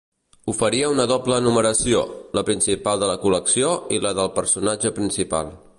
Oferia una doble numeració, la principal de la col·lecció i la del personatge principal.